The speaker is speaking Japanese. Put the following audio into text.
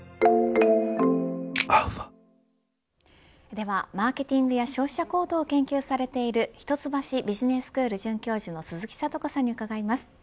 ではマーケティングや消費者行動を研究されている一橋ビジネススクール准教授の鈴木智子さんに伺います。